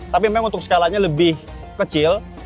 tapi memang untuk skalanya lebih kecil